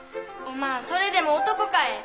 おまんそれでも男かえ。